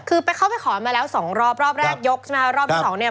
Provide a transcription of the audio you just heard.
คือเขาไปขอมาแล้ว๒รอบรอบแรกยกใช่ไหมครับรอบที่๒เนี่ย